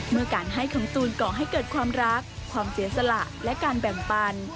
เมื่อการให้ของตูนก่อให้เกิดความรักความเสียสละและการแบ่งปัน